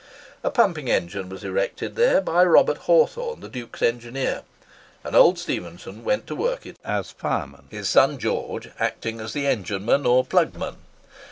A pumping engine was erected there by Robert Hawthorn, the Duke's engineer; and old Stephenson went to work it as fireman, his son George acting as the engineman or plugman.